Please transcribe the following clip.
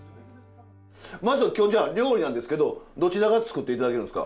まずは今日料理なんですけどどちらが作って頂けるんですか？